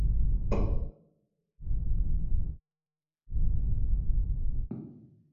Jjangu awereze maama wo ekikopo kino.